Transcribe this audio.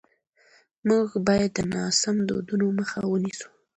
موږ باید د ناسم دودونو مخه ونیسو.